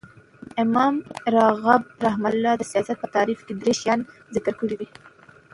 امام راغب رحمة الله د سیاست په تعریف کښي درې شیان ذکر کړي دي.